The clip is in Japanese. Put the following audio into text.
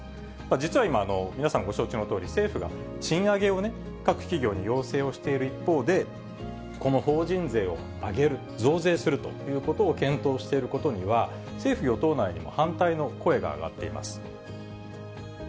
実は今、皆さん、ご承知のとおり、政府が賃上げを各企業に要請をしている一方で、この法人税を上げる、増税するということを検討していることには、政府・与党内にも反対の声が上がっています。